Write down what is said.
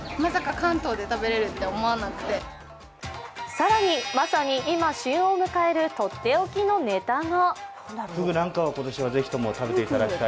更に、まさに今、旬を迎えるとっておきのネタが。